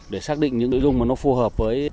để xác định những nội dung mà nó phù hợp với tiềm năng